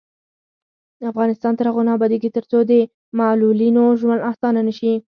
افغانستان تر هغو نه ابادیږي، ترڅو د معلولینو ژوند اسانه نشي.